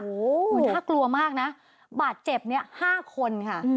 โอ้โหน่ากลัวมากนะบาดเจ็บนี้๕คนค่ะ